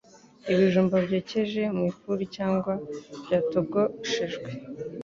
ibijumba byokeje mu ifuru cyangwa byatogoshejwe,